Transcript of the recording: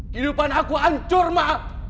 kehidupan aku hancur ma